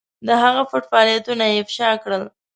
د هغه پټ فعالیتونه یې افشا کړل.